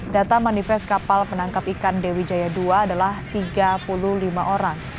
data manifest kapal penangkap ikan dewi jaya dua adalah tiga puluh lima orang